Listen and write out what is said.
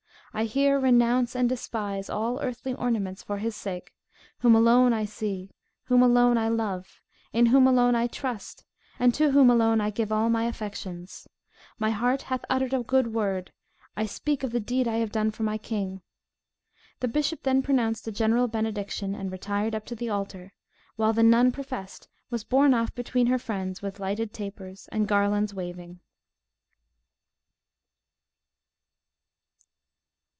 I here renounce and despise all earthly ornaments for his sake, whom alone I see, whom alone I love, in whom alone I trust, and to whom alone I give all my affections. My heart hath uttered a good word: I speak of the deed I have done for my King." The bishop then pronounced a general benediction, and retired up to the altar; while the nun professed was borne off between her friends, with lighted tapers, and garlands waving.